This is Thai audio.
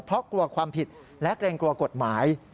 เพราะกลัวความผิดและเกรงกลัวกฎหมาย